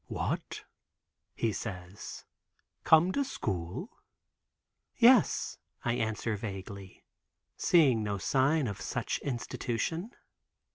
"What," he says, "come to school?" "Yes," I answer vaguely, seeing no sign of such institution.